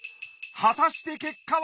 果たして結果は！？